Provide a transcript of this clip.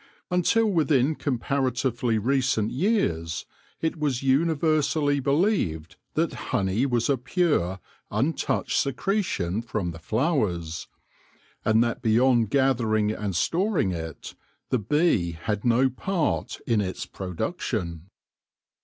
Until within comparatively recent years it was universally believed that honey was a pure, un touched secretion from the flowers ; and that beyond gathering and storing it the bee had no part in its production.